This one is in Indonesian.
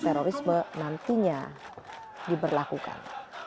terorisme nantinya diberlakukan